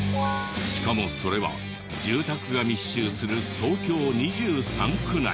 しかもそれは住宅が密集する東京２３区内。